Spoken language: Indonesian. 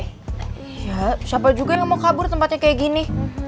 siapa juga yang mau kabur tempatnya kayak gini